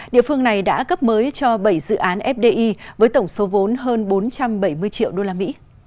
địa phương này đã cấp mới cho bảy dự án fdi với tổng số vốn hơn bốn trăm bảy mươi triệu usd